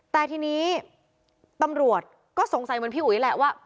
แต่ทีนี้ตำรวจก็สงสัยเหมือนพี่อุ๋ยแหละว่า